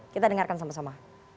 kita dengarkan sama sama